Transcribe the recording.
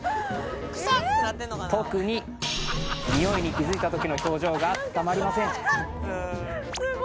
特に匂いに気づいた時の表情がたまりません